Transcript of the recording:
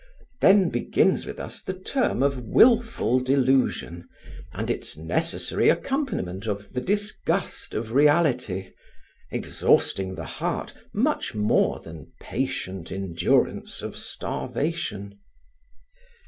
Then begins with us the term of wilful delusion, and its necessary accompaniment of the disgust of reality; exhausting the heart much more than patient endurance of starvation.